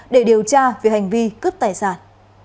để điều tra về hành vi cướp tài sản